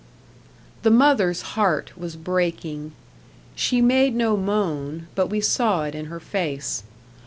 The mother's heart was breaking. She made no moan, but we saw it in her face.